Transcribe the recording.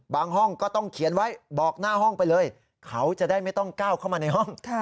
ห้องก็ต้องเขียนไว้บอกหน้าห้องไปเลยเขาจะได้ไม่ต้องก้าวเข้ามาในห้อง